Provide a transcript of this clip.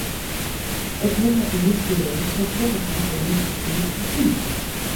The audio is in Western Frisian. It midden- en lytsbedriuw sil troch de konkurrinsjestriid ferdwine.